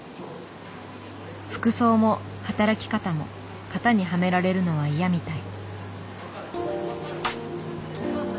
服装も働き方も型にはめられるのは嫌みたい。